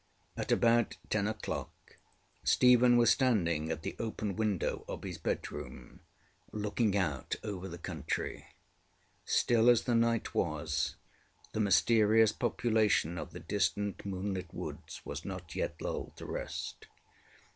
At about ten oŌĆÖclock Stephen was standing at the open window of his bedroom, looking out over the country. Still as the night was, the mysterious population of the distant moon lit woods was not yet lulled to rest.